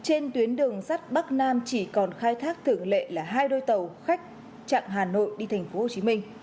trên tuyến đường sắt bắc nam chỉ còn khai thác thường lệ là hai đôi tàu khách chặng hà nội đi tp hcm